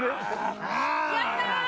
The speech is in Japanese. やった！